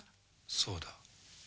そうだ。